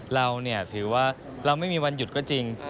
เราถือว่าเราไม่มีวันหยุดก็จริง